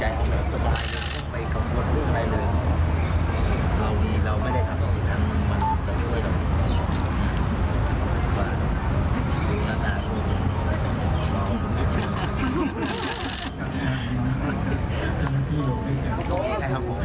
หลอกว่านิดนึงหลอกว่านิดนึง